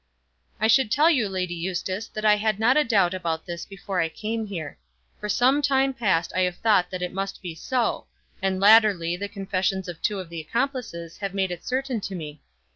"I should tell you, Lady Eustace, that I had not a doubt about this before I came here. For some time past I have thought that it must be so; and latterly the confessions of two of the accomplices have made it certain to me.